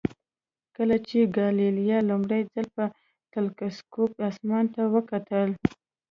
کله چې ګالیله لومړی ځل په تلسکوپ اسمان ته وکتل.